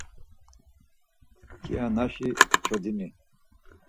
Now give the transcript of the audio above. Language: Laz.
Kianaşi çodini.